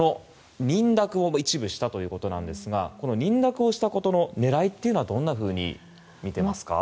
認諾を一部したということですがこの認諾をしたことの狙いというのはどんなふうに見ていますか？